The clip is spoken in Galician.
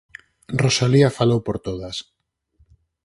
Rosalía falou por todas.